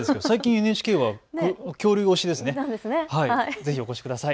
ぜひいらしてください。